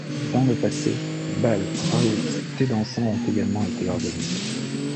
Dans le passé, bals, raouts, thés dansants ont également été organisés.